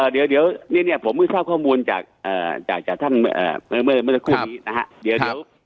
เดี๋ยวเนี่ยผมเจ้าข้อมูลจากท่านเมื่อคู่นี้นะฮะ